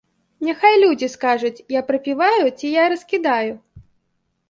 Няхай людзі скажуць, я прапіваю ці я раскідаю?